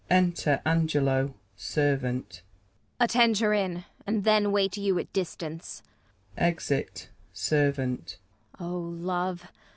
Enter Angelo, Servant. Ang. Attend her in, and then wait you at dis tance ! [Exit Servant. O Love